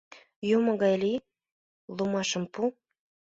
— Юмо гай лий, ломашым пу!